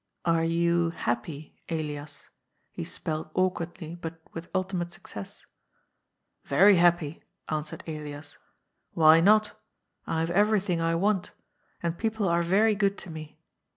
"Are you happy, Elias?" he spelled awkwardly, but with ultimate success. "Very happy," answered Elias. "Why not? I have everything I want. And people are very good to mp.